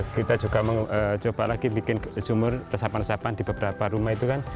kita juga mencoba lagi bikin sumur resapan resapan di beberapa rumah itu kan